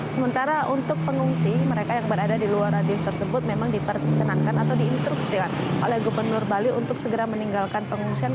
sementara untuk pengungsi mereka yang berada di luar radius tersebut memang diperkenankan atau diinstruksikan oleh gubernur bali untuk segera meninggalkan pengungsian